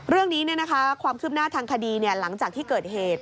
เรื่องนี้ความคืบหน้าทางคดีหลังจากที่เกิดเหตุ